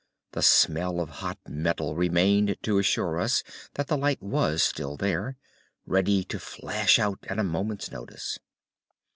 The smell of hot metal remained to assure us that the light was still there, ready to flash out at a moment's notice.